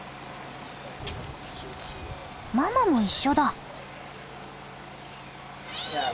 ママも一緒だ。